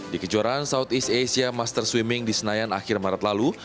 di kejuaraan southeast asia master swimming di senayan akhir maret lalu